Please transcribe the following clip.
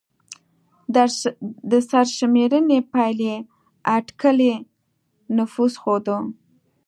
د سرشمېرنې پایلې اټکلي نفوس ښوده.